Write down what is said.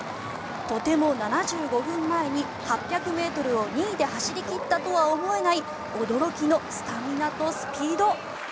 とても７５分前に８００ｍを２位で走り切ったとは思えない驚きのスタミナとスピード。